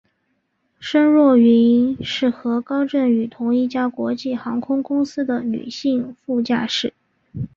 申若云是和高振宇同一家国际航空公司的女性副驾驶。